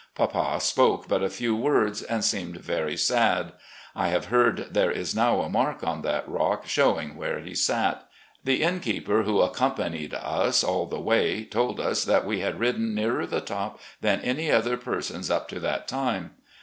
Papa spoke but a few words, and seemed very sad. I have heard there is now a mark on that rock showing where he sat. The inn keeper, who accompanied us aU the way, told us that we had ridden nearer the top than any other persons up to that time.